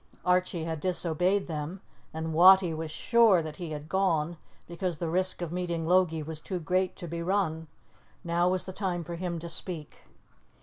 Archie had disobeyed them, and Wattie was sure that he had gone, because the risk of meeting Logie was too great to be run. Now was the time for him to speak.